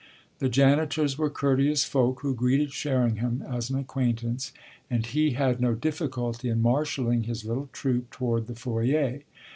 The janitors were courteous folk who greeted Sherringham as an acquaintance, and he had no difficulty in marshalling his little troop toward the foyer.